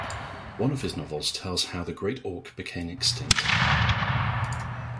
One of his novels tells how the great auk became extinct.